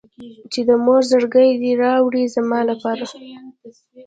چې د مور زړګی دې راوړي زما لپاره.